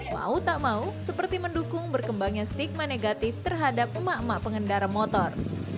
mau tak mau seperti mendukung berkembangnya stigma negatif terhadap emak emak pengendara motor